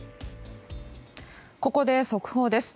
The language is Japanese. ここで速報です。